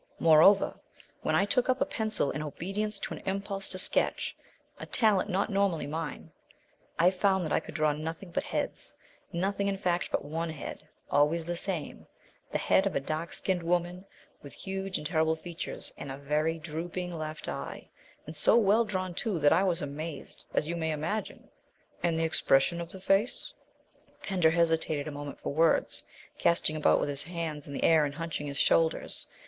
"Moreover, when I took up a pencil in obedience to an impulse to sketch a talent not normally mine I found that I could draw nothing but heads, nothing, in fact, but one head always the same the head of a dark skinned woman, with huge and terrible features and a very drooping left eye; and so well drawn, too, that I was amazed, as you may imagine " "And the expression of the face ?" Pender hesitated a moment for words, casting about with his hands in the air and hunching his shoulders.